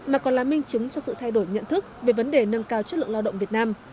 mà còn là minh chứng cho sự thay đổi nhận thức về vấn đề nâng cao chất lượng lao động việt nam